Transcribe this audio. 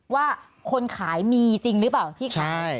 ว่าคนขายมีจริงหรือเปล่าที่ขาย